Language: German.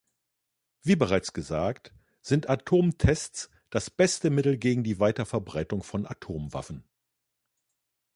Wie bereits gesagt, sind Atomtests das beste Mittel gegen die Weiterverbreitung von Atomwaffen.